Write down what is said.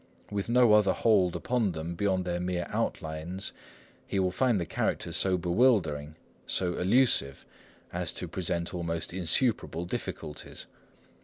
With no other hold upon them beyond their mere outlines, he will find the characters so bewildering, so elusive, as to present almost insuperable difficulties.